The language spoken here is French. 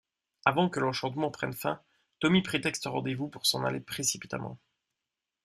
Avant que l'enchantement prenne fin, Tommy prétexte un rendez-vous pour s'en aller précipitamment.